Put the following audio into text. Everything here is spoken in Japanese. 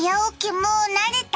もう慣れた？